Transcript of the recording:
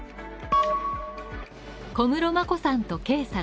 小室眞子さんと圭さん